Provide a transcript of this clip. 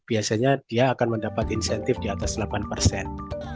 biasanya dia akan mendapat insentif di atas delapan persen